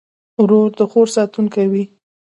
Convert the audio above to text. ورور د خور ساتونکی وي.